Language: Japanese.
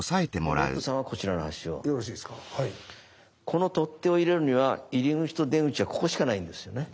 この取っ手を入れるには入り口と出口はここしかないですよね？